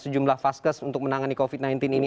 sejumlah vaskes untuk menangani covid sembilan belas ini